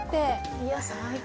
いや最高。